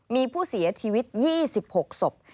มีผู้เสียชีวิต๒๖ศพ